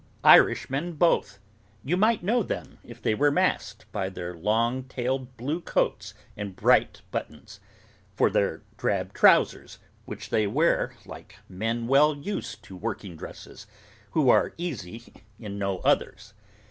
Irishmen both! You might know them, if they were masked, by their long tailed blue coats and bright buttons, and their drab trousers, which they wear like men well used to working dresses, who are easy in no others.